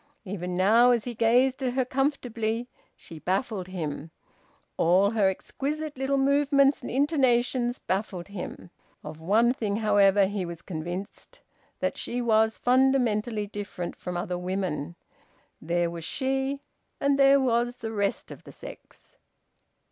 Even now, as he gazed at her comfortably, she baffled him; all her exquisite little movements and intonations baffled him. Of one thing, however, he was convinced: that she was fundamentally different from other women. There was she, and there was the rest of the sex.